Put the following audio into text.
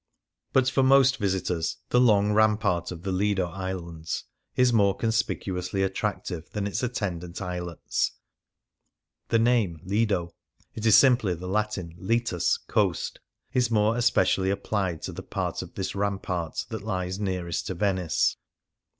But for most visitors the long rampart of the Lido islands is more conspicuously attractive than its attendant islets. The name " Lido "' (it is simply the Latin litus, " coast "*') is more especially applied to the part of this rampart that lies nearest to Venice.